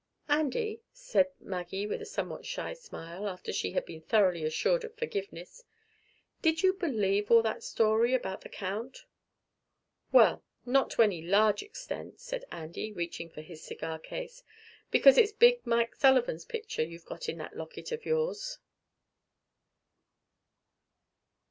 "Andy," said Maggie with a somewhat shy smile, after she had been thoroughly assured of forgiveness, "did you believe all that story about the Count?" "Well, not to any large extent," said Andy, reaching for his cigar case; "because it's Big Mike Sullivan's picture you've got in that locket of yours."